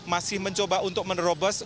masih mencoba untuk menerobos